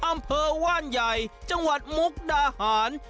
อำเภอว่านใหญ่จังหวัดมุกดาหาร